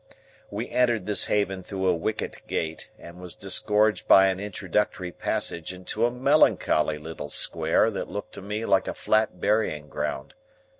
We entered this haven through a wicket gate, and were disgorged by an introductory passage into a melancholy little square that looked to me like a flat burying ground.